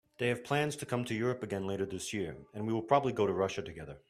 They have plans to come to Europe again later this year, and we will probably go to Russia together.